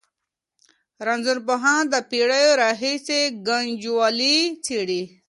رنځپوهان د پېړیو راهېسې ګنجوالي څېړي.